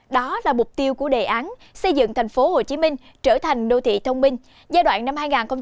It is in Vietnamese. đó là mục tiêu của đề án xây dựng thành phố hồ chí minh trở thành đô thị thông minh giai đoạn năm hai nghìn một mươi bảy hai nghìn hai mươi